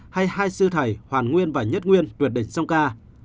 hay hai sư thầy hoàng nguyên và nhất nguyên tuyệt định song ca